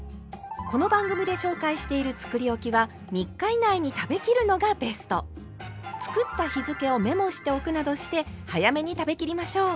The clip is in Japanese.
この番組で紹介しているつくりおきは３日以内に食べきるのがベスト。などして早めに食べきりましょう。